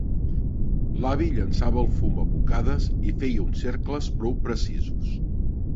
L'avi llençava el fum a bocades i feia uns cercles prou precisos.